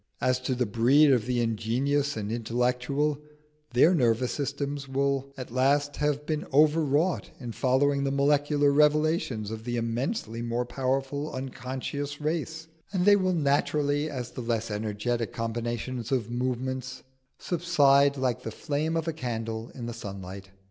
As to the breed of the ingenious and intellectual, their nervous systems will at last have been overwrought in following the molecular revelations of the immensely more powerful unconscious race, and they will naturally, as the less energetic combinations of movement, subside like the flame of a candle in the sunlight.